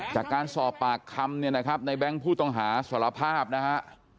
จากการสอบปากคำเนี่ยนะครับในแบงค์ผู้ต้องหาสารภาพนะฮะ